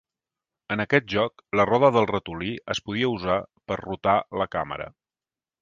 En aquest joc la roda del ratolí es podia usar per rotar la càmera.